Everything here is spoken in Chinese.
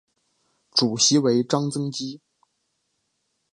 主席为张曾基。